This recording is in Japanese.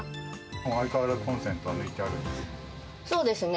相変わらずコンセントは抜いそうですね。